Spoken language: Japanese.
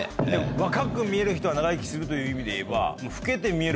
若く見える人は長生きするという意味でいえば。